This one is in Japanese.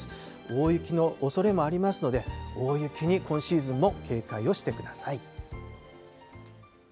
大雪のおそれもありますので、大雪に今シーズンも警戒をしてください。